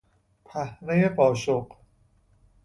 پهنهی قاشق